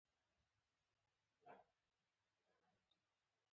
مور ولې د پښو لاندې جنت لري؟